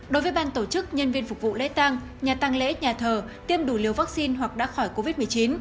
đối với ban tổ chức nhân viên phục vụ lễ tăng nhà tăng lễ nhà thờ tiêm đủ liều vaccine hoặc đã khỏi covid một mươi chín